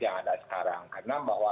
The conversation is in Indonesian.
yang ada sekarang karena bahwa